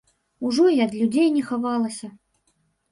Ужо і ад людзей не хавалася.